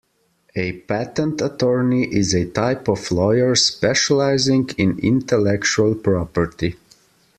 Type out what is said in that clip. A patent attorney is a type of lawyer specialising in intellectual property